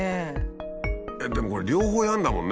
でもこれ両方やるんだもんね。